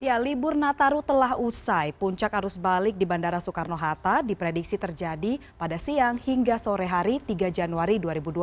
ya libur nataru telah usai puncak arus balik di bandara soekarno hatta diprediksi terjadi pada siang hingga sore hari tiga januari dua ribu dua puluh